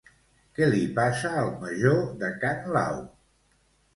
Què li passa al major de can Lau?